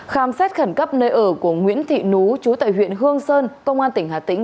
khám xét khẩn cấp nơi ở của nguyễn thị nú chú tại huyện hương sơn công an tỉnh hà tĩnh